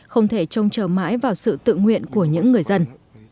không thể trông chờ mãi vào sự tự nguyện của những người dân